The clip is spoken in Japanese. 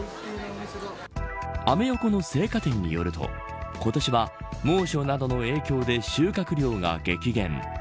アメ横の青果店によると今年は猛暑などの影響で収穫量が激減。